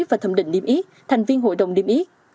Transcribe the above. và thẩm định niêm yếp thành viên hội đồng niêm yếp